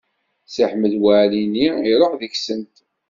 Si Ḥmed Waɛli-nni iruḥ deg-sent.